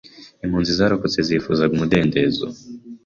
Impunzi zarokotse zifuzaga umudendezo.